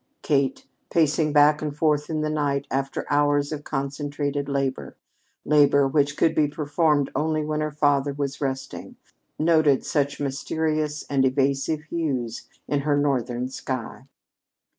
Kate, pacing back and forth in the night after hours of concentrated labor, labor which could be performed only when her father was resting, noted such mysterious and evasive hues in her Northern sky.